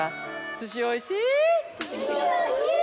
すしおいしぃ―。